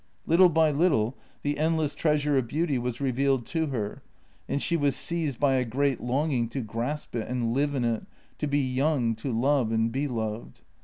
Little by little the endless treasure of beauty was re vealed to her, and she was seized by a great longing to grasp it and live in it, to be young, to love and be loved.